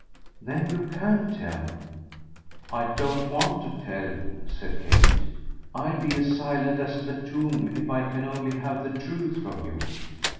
Then you CAN tell." "I don't want to 'tell,'" said Kate. "I'll be as silent as the tomb if I can only have the truth from you.